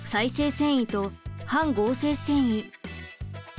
繊維と半合成繊維。